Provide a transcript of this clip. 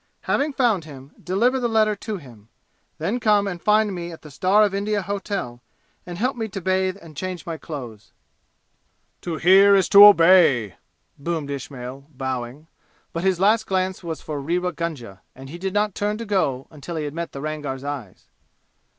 Having found him, deliver the letter to him. Then come and find me at the Star of India Hotel and help me to bathe and change my clothes." "To hear is to obey!" boomed Ismail, bowing; but his last glance was for Rewa Gunga, and he did not turn to go until he had met the Rangar's eyes.